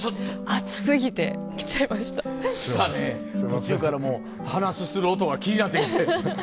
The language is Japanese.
途中からもうはなすする音が気になってきて。